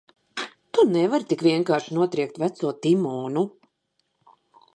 Tu nevari tik vienkārši notriekt veco Timonu!